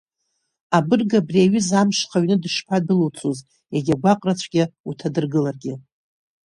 Абырг абри аҩыза амшха аҩны дышԥадәылуцоз, егьа гәаҟрацәгьа уҭадыргыларгьы.